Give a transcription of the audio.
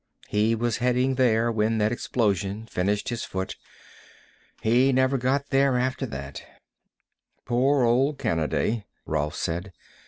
He was heading there when that explosion finished his foot. He never got there after that." "Poor old Kanaday," Rolf said.